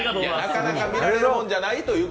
なかなか見られるもんじゃないと。